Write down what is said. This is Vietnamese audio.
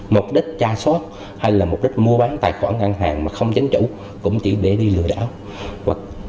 mục đích tra soát hay là mục đích mua bán tài khoản ngân hàng mà không chánh chủ cũng chỉ để đi lừa đảo